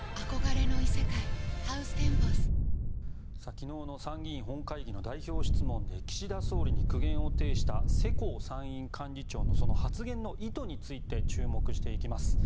昨日の参議院本会議の代表質問で岸田総理に苦言を呈した世耕参院幹事長のその発言の意図について注目していきます。